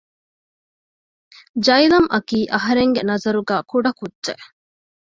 ޖައިލަމްއަކީ އަހަރެންގެ ނަޒަރުގައި ކުޑަކުއްޖެެއް